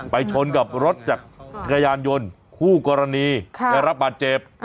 ชนกับรถจักรยานยนต์คู่กรณีได้รับบาดเจ็บ